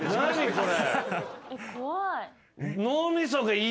これ。